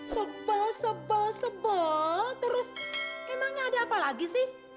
sebel sebel sebel terus emangnya ada apa lagi sih